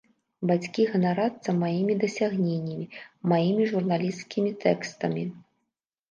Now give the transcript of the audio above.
Бацькі ганарацца маімі дасягненнямі, маімі журналісцкімі тэкстамі.